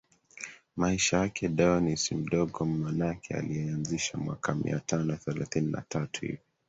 Maisha yake Dionisi Mdogo mmonaki aliyeanzisha mwaka mia tano thelathini na tatu hivi